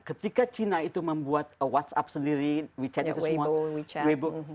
ketika china itu membuat whatsapp sendiri wechat itu semua